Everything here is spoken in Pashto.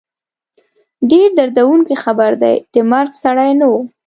ډېر دردوونکی خبر دی، د مرګ سړی نه وو